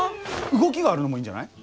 動きがあるのもいいんじゃない？